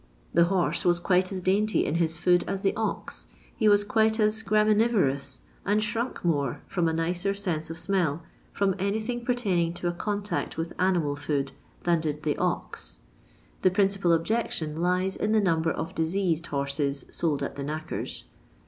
The hoise was LONDON LABOUR AND TEE LONDON POOR. quite as dainty in hia food aa the ox, he waa quite as graminiToroat, and shrunk more, from a nicer sense of smell, from anything pertaining to a contact with animal food than did the ox. The principal objection lies in the number of diseased horses sold at the knackers.